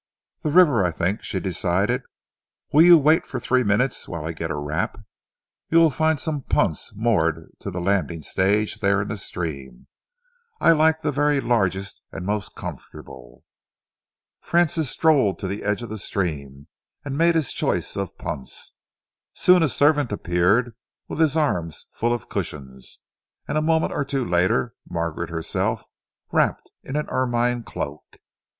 "The river, I think," she decided. "Will you wait for three minutes while I get a wrap. You will find some punts moored to the landing stage there in the stream. I like the very largest and most comfortable." Francis strolled to the edge of the stream, and made his choice of punts. Soon a servant appeared with his arms full of cushions, and a moment or two later, Margaret herself, wrapped in an ermine cloak.